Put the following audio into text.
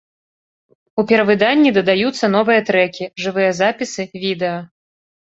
У перавыданні дадаюцца новыя трэкі, жывыя запісы, відэа.